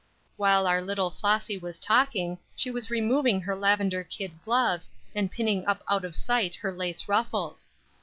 While our little Flossy was talking, she was removing her lavendar kid gloves, and pinning up out of sight her lace ruffles.